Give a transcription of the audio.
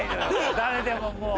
誰でももう。